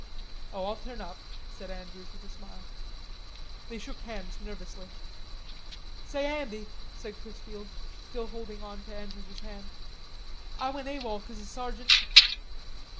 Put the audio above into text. "Oh, I'll turn up," said Andrews with a smile. They shook hands nervously. "Say, Andy," said Chrisfield, still holding on to Andrews's hand, "Ah went A.W.O.L. 'cause a sergeant...